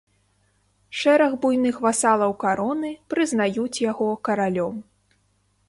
Шэраг буйных васалаў кароны прызнаюць яго каралём.